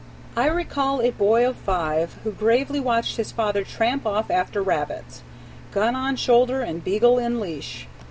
I recall a boy of five who gravely watched his father tramp off after rabbits, gun on shoulder and beagle in leash.